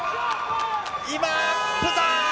今、ブザー。